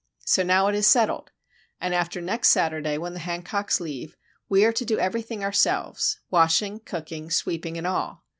So now it is settled;—and after next Saturday when the Hancocks leave we are to do everything ourselves, washing, cooking, sweeping, and all.